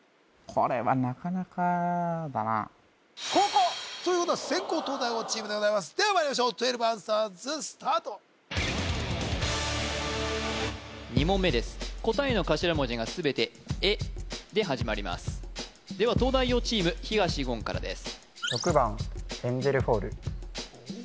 これはなかなかだなということは先攻東大王チームでございますではまいりましょう１２アンサーズスタート２問目です答えの頭文字が全て「え」で始まりますでは東大王チーム東言からです